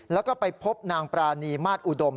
แล้วก็ไปพบนางปรานีมาตรอุดม